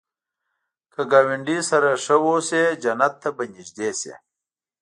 که ګاونډي سره ښه اوسې، جنت ته به نږدې شې